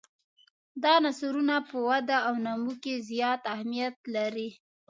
دا عنصرونه په وده او نمو کې زیات اهمیت لري.